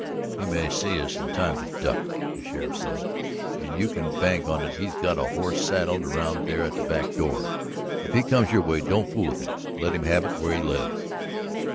"He may see us in time to duck," the sheriff said, "and you can bank on it he's got a horse saddled around there at the back door. If he comes your way, don't fool with him; let him have it where he lives."